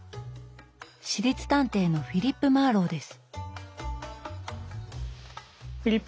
私立探偵のフィリップ・マーロウです。